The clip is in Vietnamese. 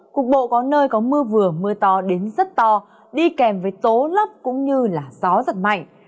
cục bộ có nơi có mưa vừa mưa to đến rất to đi kèm với tố lốc cũng như gió giật mạnh